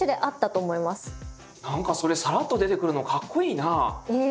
何かそれさらっと出てくるのかっこいいな。